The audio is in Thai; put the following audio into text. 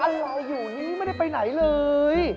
อะไรอยู่นี่ไม่ได้ไปไหนเลย